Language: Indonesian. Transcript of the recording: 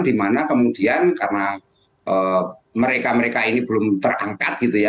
dimana kemudian karena mereka mereka ini belum terangkat gitu ya